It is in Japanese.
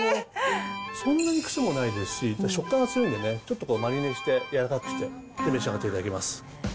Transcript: そんなに癖もないですし、食感が強いんでね、ちょっとマリネしてやわらかくして召し上がっていただきます。